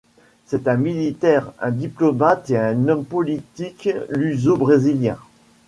C'est un militaire, un diplomate et un homme politique luso-brésilien.